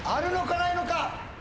ないのか？